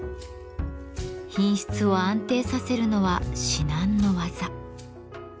品質を安定させるのは至難の技。